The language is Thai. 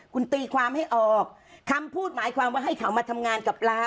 คุณตีความให้ออกคำพูดหมายความว่าให้เขามาทำงานกับเรา